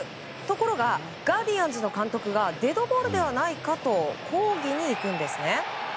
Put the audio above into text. ところがガーディアンズの監督がデッドボールではないかと抗議に行くんですね。